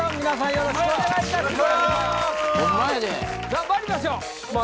よろしくお願いします